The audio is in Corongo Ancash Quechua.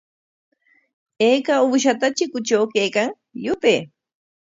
¿Ayka uushata chikutraw kaykan? Yupay.